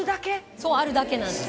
そうあるだけなんです。